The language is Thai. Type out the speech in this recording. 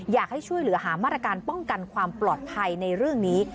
อยากให้ช่วยเหลือหามาตรการป้องกันความปลอดภัยในเรื่องนี้